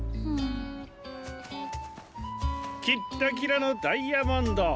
キッラキラのダイヤモンド！